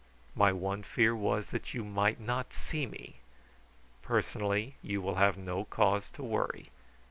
My one fear was that you might not see me. Personally you will have no cause to worry.